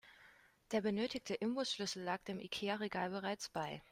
Der benötigte Imbusschlüssel lag dem Ikea-Regal bereits bei.